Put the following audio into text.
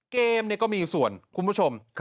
ก็มีส่วนคุณผู้ชม